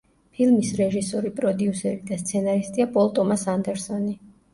ფილმის რეჟისორი, პროდიუსერი და სცენარისტია პოლ ტომას ანდერსონი.